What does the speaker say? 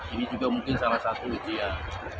ini juga mungkin salah satu ujian